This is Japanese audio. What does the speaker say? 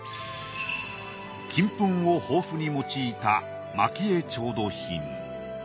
金粉を豊富に用いた蒔絵調度品。